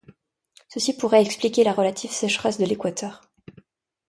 Ceci pourrait expliquer la relative sécheresse de l'équateur.